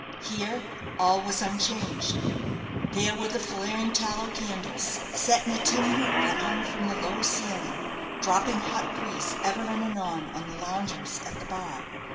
Here all was unchanged. There were the flaring tallow candles, set in a tin hoop that hung from the low ceiling, dropping hot grease ever and anon on the loungers at the bar.